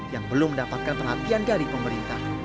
yang belum mendapatkan perhatian dari pemerintah